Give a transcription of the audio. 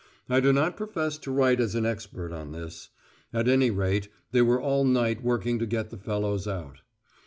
I do not profess to write as an expert on this. At any rate they were all night working to get the fellows out.